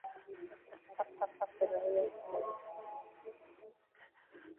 Nishakupata na nimefurahia sana